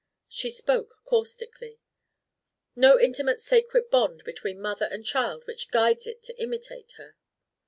She spoke caustically: "No intimate sacred bond between mother and child which guides it to imitate her?"